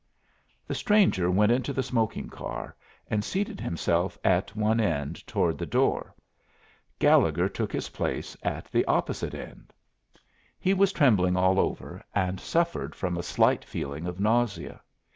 The stranger went into the smoking car, and seated himself at one end toward the door. Gallegher took his place at the opposite end. He was trembling all over, and suffered from a slight feeling of nausea.